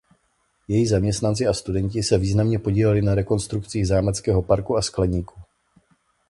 Její zaměstnanci a studenti se významně podíleli na rekonstrukcích zámeckého parku a skleníku.